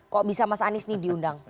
kok bisa mas anies ini diundang